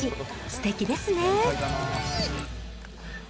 すてきですね。